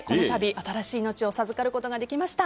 新たな命を授かることができました。